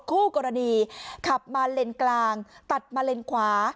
คู่กรณีขับมาเลนกลางตัดมาเลนขวา